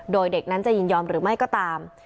โดยเด็กนั้นจะยินยอมหรือไม่ก็ตาม